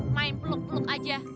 main peluk peluk aja